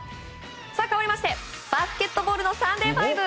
かわりましてバスケットボールのサンデーＦＩＶＥ。